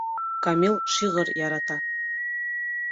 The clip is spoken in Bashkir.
КАМИЛ ШИҒЫР ЯРАТА